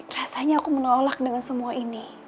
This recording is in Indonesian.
rasanya aku menolak dengan semua ini